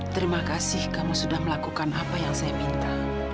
terima kasih kamu sudah melakukan apa yang saya minta